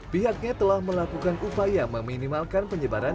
pihaknya telah melakukan upaya meminimalkan penyebaran